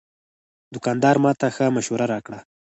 دوکاندار ماته ښه مشوره راکړه.